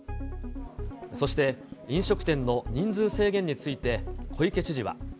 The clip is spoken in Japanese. そして、飲食店の人数制限について小池知事は。